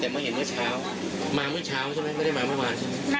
แต่มาเห็นเมื่อเช้ามาเมื่อเช้าใช่ไหมไม่ได้มาเมื่อวานใช่ไหม